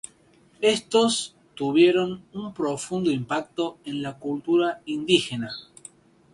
Estos tuvieron un profundo impacto en la cultura indígena.